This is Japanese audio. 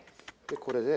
これで。